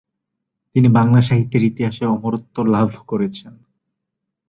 তিনি বাংলা সাহিত্যের ইতিহাসে অমরত্ব লাভ করেছেন।